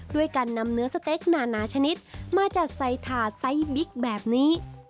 ด้วยการนำเนื้อสเต็กนานาชนิดมาจัดใส่ถาดไซส์บิ๊กแบบนี้